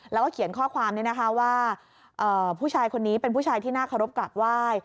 แล้วก็เขียนข้อความนี้นะคะว่าผู้ชายคนนี้เป็นผู้ชายที่น่าเคารพกราบไหว้